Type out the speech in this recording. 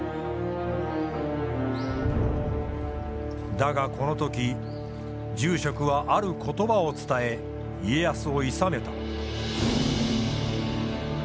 だがこの時住職はある言葉を伝え家康をいさめた。